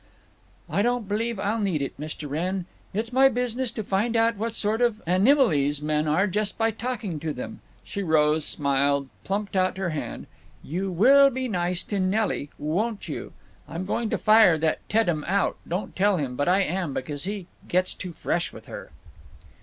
"I don't believe I'll need it, Mr. Wrenn. It's my business to find out what sort of animiles men are by just talking to them." She rose, smiled, plumped out her hand. "You will be nice to Nelly, won't you! I'm going to fire that Teddem out—don't tell him, but I am—because he gets too fresh with her."